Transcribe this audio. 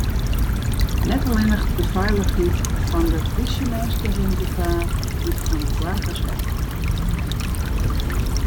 Net allinnich de feilichheid fan de polysjeminsken rint gefaar, dy fan boargers ek.